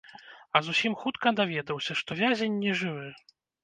А зусім хутка даведаўся, што вязень нежывы.